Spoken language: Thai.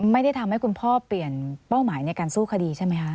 ไม่ได้ทำให้คุณพ่อเปลี่ยนเป้าหมายในการสู้คดีใช่ไหมคะ